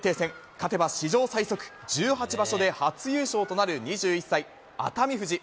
勝てば史上最速、１８場所で初優勝となる２１歳、熱海富士。